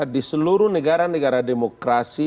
di seluruh negara negara demokrasi